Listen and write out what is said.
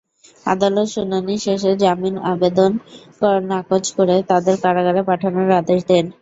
আদালত শুনানি শেষে জামিন আবেদন নাকচ করে তাঁদের কারাগারে পাঠানোর আদেশ দেন।